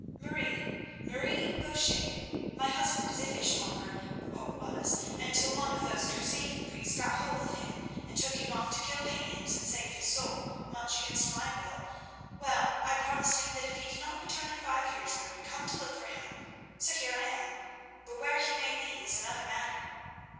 "Marie—Marie Bouchet. My husband is a fishmonger, or was, until one of those crusading priests got hold of him and took him off to kill Paynims and save his soul, much against my will. Well, I promised him that if he did not return in five years I would come to look for him. So here I am, but where he may be is another matter."